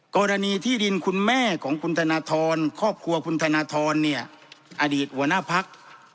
กรณีที่ดินคุณแม่ของคุณธนทรครอบครัวคุณธนทรเนี่ยอดีตหัวหน้าพัก